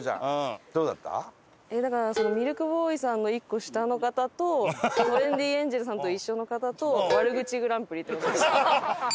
だからミルクボーイさんの１個下の方とトレンディエンジェルさんと一緒の方と悪口グランプリって事。